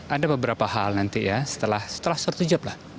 ada beberapa hal nanti ya setelah seterjaplah